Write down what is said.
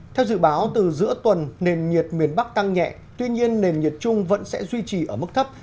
theo dự báo từ giữa tuần nền nhiệt miền bắc tăng nhẹ tuy nhiên nền nhiệt chung vẫn sẽ duy trì ở mức thấp